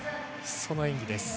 その演技です。